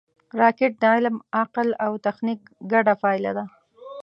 راکټ د علم، عقل او تخنیک ګډه پایله ده